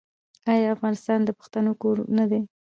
آیا افغانستان د پښتنو کور نه دی؟